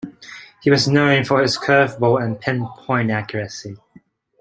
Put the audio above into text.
He was known for his curveball and pinpoint accuracy.